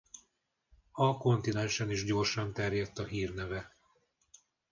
A kontinensen is gyorsan terjedt a hírneve.